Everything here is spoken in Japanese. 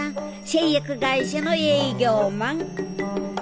製薬会社の営業マン。